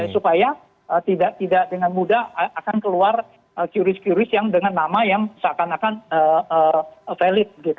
supaya tidak dengan mudah akan keluar curis qris yang dengan nama yang seakan akan valid